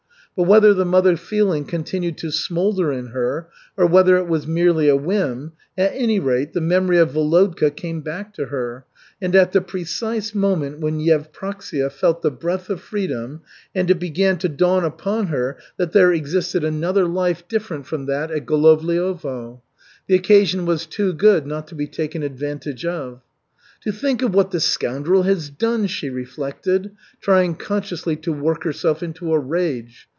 But whether the mother feeling continued to smoulder in her, or whether it was merely a whim, at any rate, the memory of Volodka came back to her, and at the precise moment when Yevpraksia felt the breath of freedom and it began to dawn upon her that there existed another life different from that at Golovliovo. The occasion was too good not to be taken advantage of. "To think of what the scoundrel has done!" she reflected, trying consciously to work herself into a rage.